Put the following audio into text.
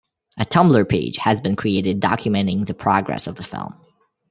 A Tumblr page has been created documenting the progress of the film.